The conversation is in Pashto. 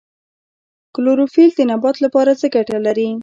کلوروفیل د نبات لپاره څه ګټه لري